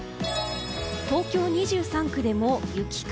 東京２３区でも雪か？